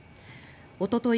おととい